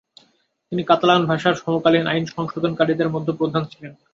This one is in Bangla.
তিনি কাতালান ভাষার সমকালীন আইন সংশোধনকারীদের মধ্যে প্রধান ছিলেন।